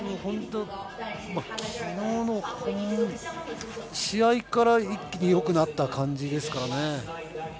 昨日の試合から一気によくなった感じですからね。